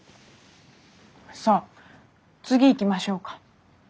さあ次いきましょうか。